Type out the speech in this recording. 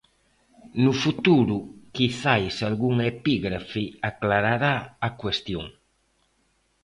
No futuro, quizais algunha epígrafe aclarará a cuestión.